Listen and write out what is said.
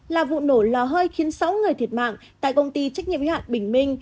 là vụ nổ lò hơi khiến sáu người thiệt mạng tại công ty trách nhiệm y hạn bình minh